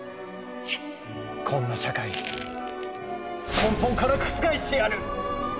「こんな社会根本から覆してやる！」。